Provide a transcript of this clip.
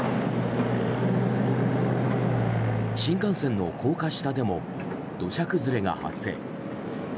新幹線の高架下でも土砂崩れが発生。